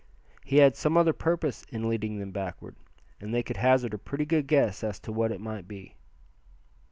He had some other purpose in leading them backward, and they could hazard a pretty good guess as to what it might be.